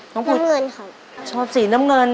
น้องฟูชอบสีน้ำเงิน